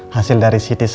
hasil dari ct scan